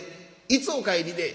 「いつお帰りで？」。